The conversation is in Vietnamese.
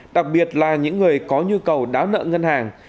đặc biệt là những người có nhu cầu đá nợ ngân hàng